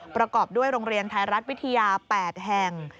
ประกอบด้วยโรงเรียนไทยรัฐวิทยา๘แห่ง